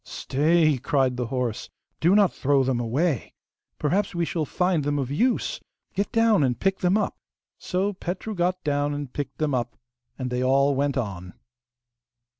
'Stay!' cried the horse, 'do not throw them away! Perhaps we shall find them of use. Get down and pick them up.' So Petru got down and picked them up, and they all went on.